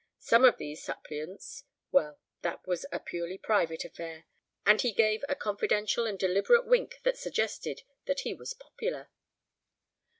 Some of these suppliants—well, that was a purely private affair! And he gave a confidential and deliberate wink that suggested that he was popular.